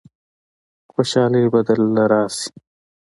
خوشالۍ به درله رايشي.